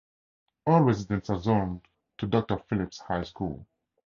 All residents are zoned to Doctor Phillips High School.